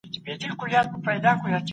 قرآن د بدو نومونو کارول منع کوي.